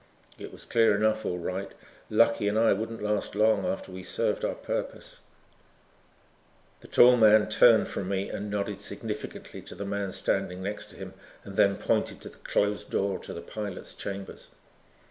It was clear enough all right. Lucky and I wouldn't last long after we served our purpose. The tall man turned from me and nodded significantly to the man standing next to him and then pointed to the closed door to the pilot's chambers.